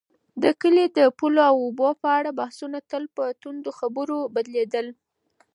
د کلي د پولو او اوبو په اړه بحثونه تل په توندو خبرو بدلېدل.